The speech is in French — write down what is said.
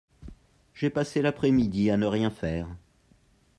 J'ai passé l'après-midi à ne rien faire